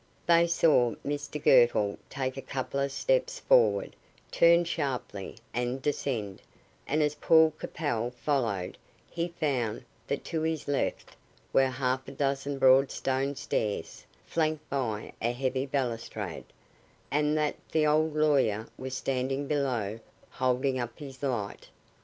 They saw Mr Girtle take a couple of steps forward, turn sharply, and descend, and as Paul Capel followed, he found that to his left were half a dozen broad stone stairs, flanked by a heavy balustrade, and that the old lawyer was standing below, holding up his light.